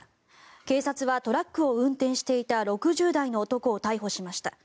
警察はトラックを運転していた６０代の男を逮捕しました。